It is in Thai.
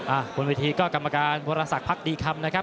บนเวทีก็กรรมการวรสักพักดีคำนะครับ